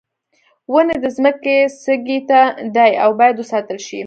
ونې د ځمکې سږی دي او باید وساتل شي.